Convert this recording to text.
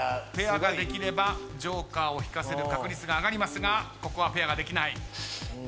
ペアができればＪＯＫＥＲを引かせる確率が上がりますがここはペアができない。